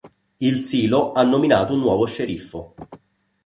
Il silo ha nominato un nuovo sceriffo.